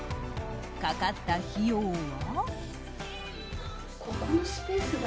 かかった費用は。